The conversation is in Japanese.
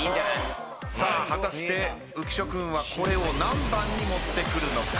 さあ果たして浮所君はこれを何番に持ってくるのか。